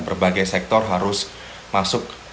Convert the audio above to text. berbagai sektor harus masuk